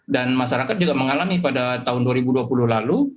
dan masyarakat juga mengalami pada tahun dua ribu dua puluh lalu